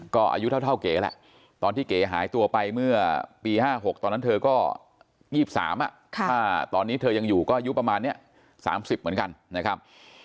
ก็อายุเท่าเก๋แหละตอนที่เก๋หายตัวไปเมื่อปี๕๖ตอนนั้นเธอก็๒๓ตอนนี้เธอยังอยู่ก็อายุประมาณนี้๓๐เหมือนกันนะครับ